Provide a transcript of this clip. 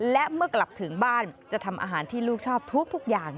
และเมื่อกลับถึงบ้านจะทำอาหารที่ลูกชอบทุกอย่าง